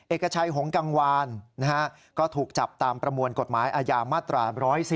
เอกชัยหงกังวานก็ถูกจับตามประมวลกฎหมายอาญามาตรา๑๔